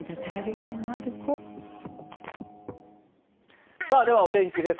疱疹では、お天気です。